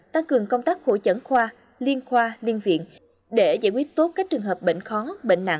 tăng cường công tác hỗ chẩn khoa liên khoa liên viện để giải quyết tốt các trường hợp bệnh khó bệnh nặng